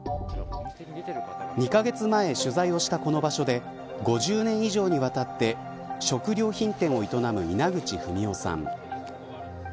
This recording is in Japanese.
２カ月前、取材をしたこの場所で５０年以上にわたって食料品店を営む稲口文男さん。